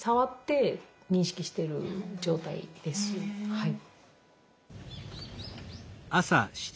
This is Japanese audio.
・はい。